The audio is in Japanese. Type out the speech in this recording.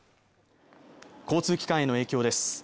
交通機関への影響です